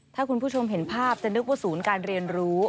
ถ้าคุณผู้ชมเห็นภาพจะนึกว่าศูนย์การเรียนรู้